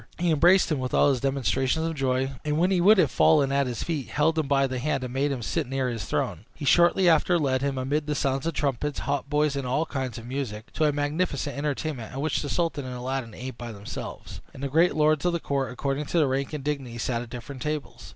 He embraced him with all the demonstrations of joy, and when he would have fallen at his feet, held him by the hand, and made him sit near his throne. He shortly after led him, amid the sounds of trumpets, hautboys, and all kinds of music, to a magnificent entertainment, at which the sultan and Aladdin ate by themselves, and the great lords of the court, according to their rank and dignity, sat at different tables.